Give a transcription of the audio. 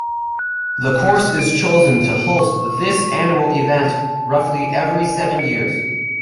The course is chosen to host this annual event roughly every seven years.